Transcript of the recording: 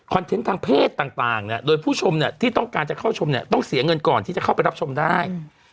เทนต์ทางเพศต่างเนี่ยโดยผู้ชมเนี่ยที่ต้องการจะเข้าชมเนี่ยต้องเสียเงินก่อนที่จะเข้าไปรับชมได้